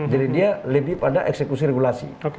jadi dia lebih pada eksekusi regulasi